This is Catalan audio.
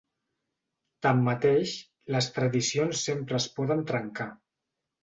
Tanmateix, les tradicions sempre es poden trencar.